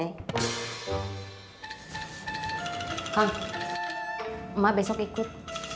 nang emak besok ikut